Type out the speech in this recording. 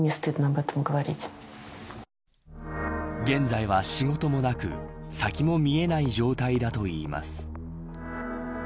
現在は仕事もなく先も見えない状態だといいます。